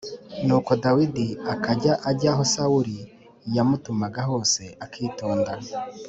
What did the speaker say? Nuko Dawidi akajya ajya aho Sawuli yamutumaga hose, akitonda.